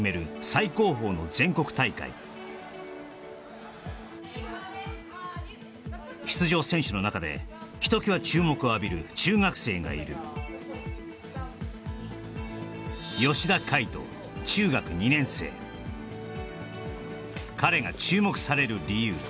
最高峰の全国大会出場選手の中でひときわ注目を浴びる中学生がいる彼が注目される理由